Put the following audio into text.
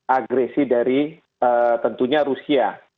agresi dari tentunya rusia